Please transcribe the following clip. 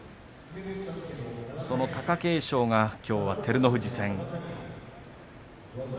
その貴景勝はきょうは照ノ富士戦。